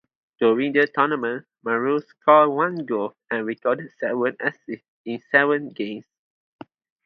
During the tournament, Morrow scored one goal and recorded seven assists in seven games.